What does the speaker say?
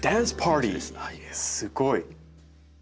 すごい！